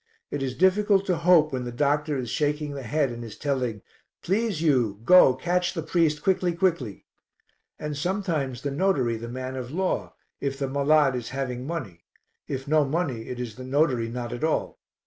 It is difficult to hope when the doctor is shaking the head and is telling 'Please, you; go, catch the priest quickly, quickly.' And sometimes the notary, the man of law, if the malade is having money; if no money, it is the notary not at all.